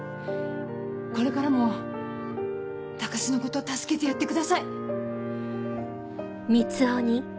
これからも高志のこと助けてやってください。